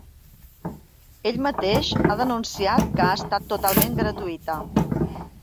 Ell mateix ha denunciat que ha estat totalment gratuïta.